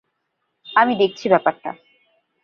আমি দেখছি ব্যাপারটা!